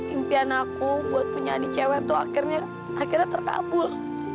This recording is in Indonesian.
impian aku buat punya adik cewek tuh akhirnya terkabul